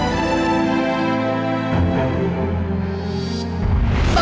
kalian pilih jangan herb